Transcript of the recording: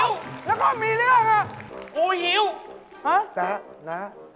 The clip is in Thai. แล้วก็มีเรื่องน่ะ